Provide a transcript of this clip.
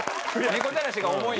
猫じゃらしが重い。